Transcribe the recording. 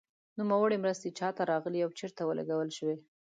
نوموړې مرستې چا ته راغلې او چیرته ولګول شوې.